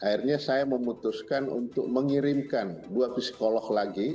akhirnya saya memutuskan untuk mengirimkan dua psikolog lagi